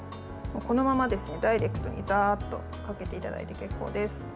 このままダイレクトにザーッとかけていただいて結構です。